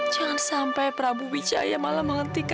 gimana tidur kamu semalam nyenyak gak